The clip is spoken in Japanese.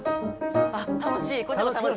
あっ楽しい。